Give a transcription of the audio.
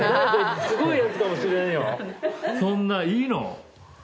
そんないいの？